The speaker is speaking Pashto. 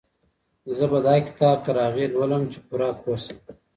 زه به دا کتاب تر هغې لولم چي پوره پوه سم.